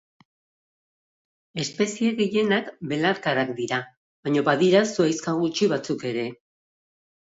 Espezie gehienak belarkarak dira baino badira zuhaixka gutxi batzuk ere.